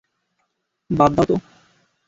বাদ দাও, তো।